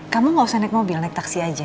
kamu gak usah naik mobil naik taksi aja